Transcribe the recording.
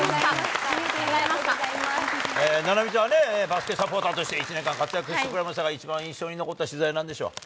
菜波ちゃんはバスケサポーターとして１年間活躍してくれましたが、一番印象に残った取材はなんでしょう？